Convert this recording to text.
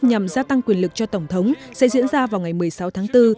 nhằm gia tăng quyền lực cho tổng thống sẽ diễn ra vào ngày một mươi sáu tháng bốn